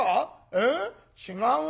えっ違う？